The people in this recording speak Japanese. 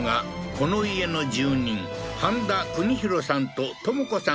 この家の住人飯田國大さんと知子さん